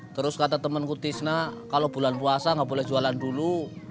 terus kata temanku tisna kalau bulan puasa nggak boleh jualan dulu